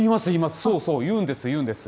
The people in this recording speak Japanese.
そうそう、いうんです、いうんです。